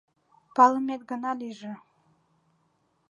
Палымет гына лийже.